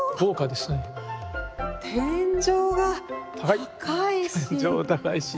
天井が高いし。